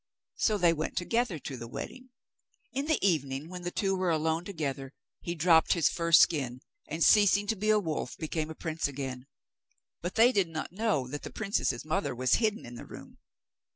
So they went together to the wedding. In the evening, when the two were alone together, he dropped his fur skin, and, ceasing to be a wolf, became a prince again. Now they did not know that the princess's mother was hidden in the room.